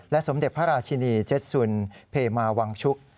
สมเด็จพระราชินีเจ็ดสุนเพมาวังชุก